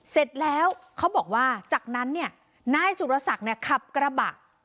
เสร็จแล้วเขาบอกว่าจากนั้นเนี่ยนายสุรศักดิ์เนี่ยขับกระบะ